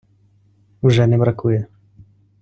Вже не бракує.